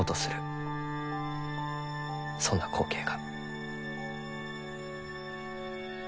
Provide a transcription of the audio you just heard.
そんな光景が。